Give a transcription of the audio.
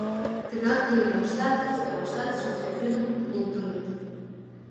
Тыгак тойымаштат, сӱаныштат шинчавӱдым луктыныт.